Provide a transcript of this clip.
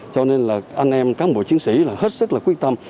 cho nên là anh em cán bộ chiến sĩ là hết sức là quyết tâm